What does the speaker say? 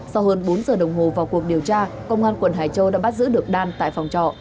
sau hơn bốn giờ đồng hồ vào cuộc điều tra công an quận hải châu đã bắt giữ được đan tại phòng trọ